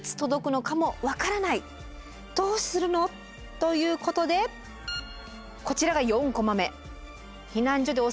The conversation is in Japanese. ということでこちらが４コマ目。